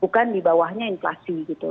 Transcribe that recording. bukan di bawahnya inflasi gitu